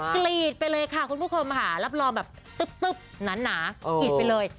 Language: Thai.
กรีดไปเลยค่ะคุณผู้ชมค่ะรับรองแบบตึ๊บหนากรีดไปเลย